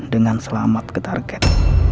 dengan selamat ke target